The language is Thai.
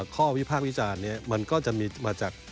วิพากษ์วิจารณ์มันก็จะมีมาจาก